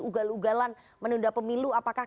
ugal ugalan menunda pemilu apakah